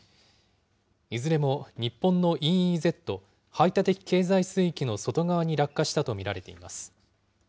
いずれも日本のＥＥＺ・排他的経済水域の外側に落下したと見られています。